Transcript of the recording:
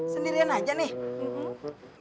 sendirian aja nih